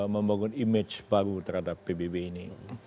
membangun image baru terhadap pbb ini